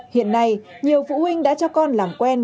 hiện nay nhiều phụ huynh đã cho con làm quen